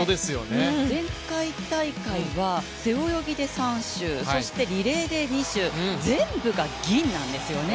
前回大会は背泳ぎで３種、リレーで２種、全部が銀なんですよね。